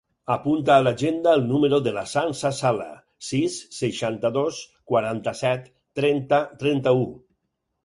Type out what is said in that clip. Apunta a l'agenda el número de la Sança Sala: sis, seixanta-dos, quaranta-set, trenta, trenta-u.